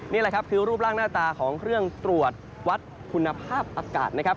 นี่แหละครับคือรูปร่างหน้าตาของเครื่องตรวจวัดคุณภาพอากาศนะครับ